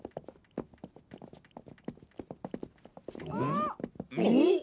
あっ！